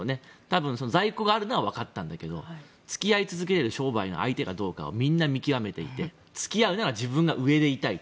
多分在庫があるのは分かったんだけど付き合い続ける商売の相手かどうかをみんな見極めていて付き合うなら自分が上でいたい。